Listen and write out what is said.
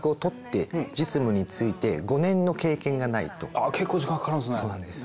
あ結構時間かかるんですね。